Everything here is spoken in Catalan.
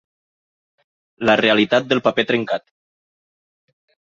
La realitat del paper trencat.